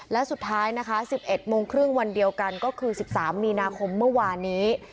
และสุดท้ายนะคะ๑๑โมงครึ่งวันเดียวกันก็คือ๑๓มีนาคมเมื่อวานนี้